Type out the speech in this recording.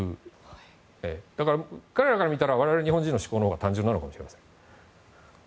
だから、彼らから見たら我々日本人の思考のほうが単純なのかもしれません。